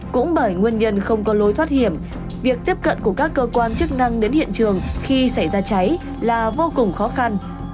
cũng bởi nguyên nhân không có lối thoát hiểm việc tiếp cận của các cơ quan chức năng đến hiện trường khi xảy ra cháy là vô cùng khó khăn